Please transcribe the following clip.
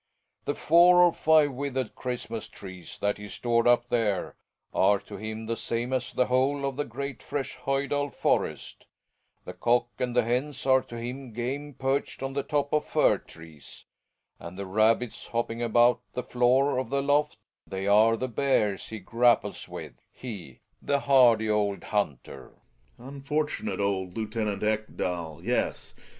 The four or five withered Christmas trees that he stored up there are to him the same as the whole of the great, fresh Hojdal forest; the cock and the hens are to him game perched on the top of fir trees, and the rabbits hopping about the floor of the loft, they are the bears he grapples with, he, the hardy old hunter. Gregers. Unfortunate old Lieutenant Ekdal, yes.